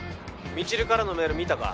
未知留からのメール見たか？